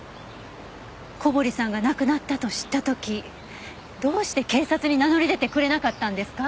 小堀さんが亡くなったと知った時どうして警察に名乗り出てくれなかったんですか？